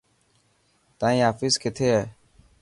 تائن آفيس ڪٿي هي.